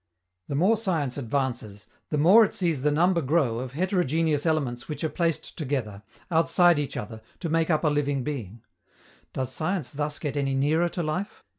The more science advances, the more it sees the number grow of heterogeneous elements which are placed together, outside each other, to make up a living being. Does science thus get any nearer to life?